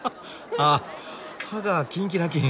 あ歯がキンキラキン。